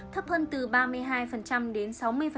thấp hơn từ ba mươi hai đến sáu mươi